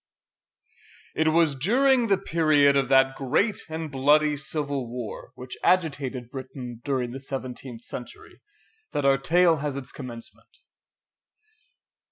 It was during the period of that great and bloody Civil War which agitated Britain during the seventeenth century, that our tale has its commencement.